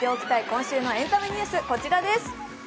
今週のエンタメニュース、こちらです。